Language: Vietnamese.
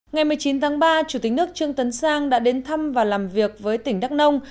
ngày một mươi chín tháng ba chủ tịch nước trương tấn sang đã đến thăm và làm việc với tỉnh đắk nông